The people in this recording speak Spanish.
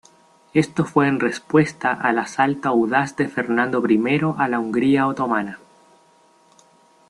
Esto fue en respuesta al asalto audaz de Fernando I a la Hungría otomana.